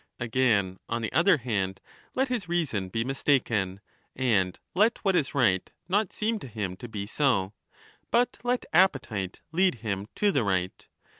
Again, on the other hand, let his reason be mistaken, and let what is right not seem to him to be so, but let appetite |lead him to the right.